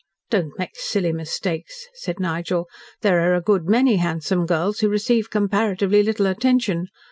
"Don't make silly mistakes," said Nigel. "There are a good many handsome girls who receive comparatively little attention.